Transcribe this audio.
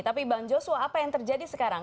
tapi bang joshua apa yang terjadi sekarang